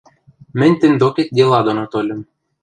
— Мӹнь тӹнь докет дела доно тольым.